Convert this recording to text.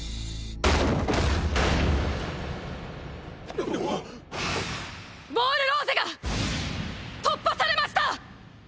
ウォール・ローゼが突破されました！！